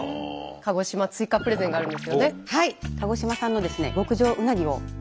鹿児島追加プレゼンがあるんですよね。